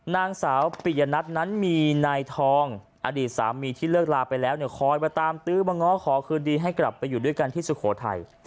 นางสาวปิยนัทนั้นมีนายทองอดีตสามีที่เลิกลาไปแล้วเนี่ยคอยมาตามตื้อมาง้อขอคืนดีให้กลับไปอยู่ด้วยกันที่สุโขทัย